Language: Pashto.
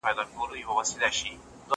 زه پرون شګه پاکوم!!